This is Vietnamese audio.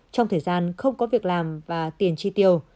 trong thời gian không có việc làm và tiền chi tiêu